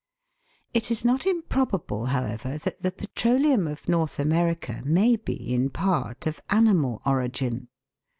It is not improbable, however, that the petroleum of North America may be in part of animal origin.